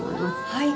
はい。